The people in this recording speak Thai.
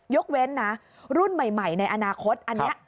ยกเว้นนะรุ่นใหม่ในอนาคตอันนี้